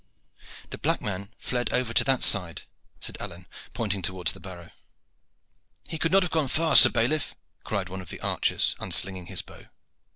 "The black man fled over to that side," said Alleyne, pointing towards the barrow. "He could not have gone far, sir bailiff," cried one of the archers, unslinging his bow.